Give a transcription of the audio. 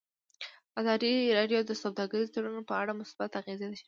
ازادي راډیو د سوداګریز تړونونه په اړه مثبت اغېزې تشریح کړي.